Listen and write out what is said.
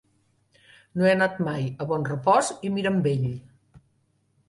No he anat mai a Bonrepòs i Mirambell.